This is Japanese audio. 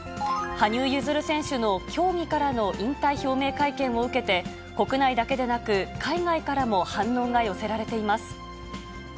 羽生結弦選手の競技からの引退表明会見を受けて、国内だけでなく、海外からも反応が寄せられています。